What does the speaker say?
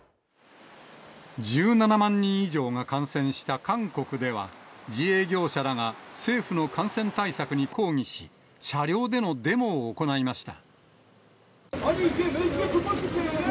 １７万人以上が感染した韓国では、自営業者らが政府の感染対策に抗議し、車両でのデモを行いました。